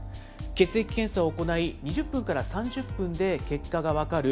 血液検査を行い、２０分から３０分で結果が分かる、